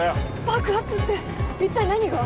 爆発って一体何が？